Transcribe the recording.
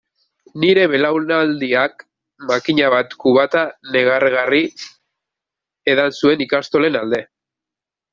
Nire belaunaldiak makina bat kubata negargarri edan zuen ikastolen alde.